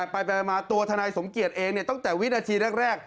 ไปมาตัวทนายสมเกียจเองตั้งแต่วินาทีแรก